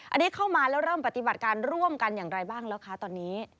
อันนี้เข้ามาแล้วเริ่มปฏิบัติการร่วมกันอย่างไรบ้างแล้วคะตอนนี้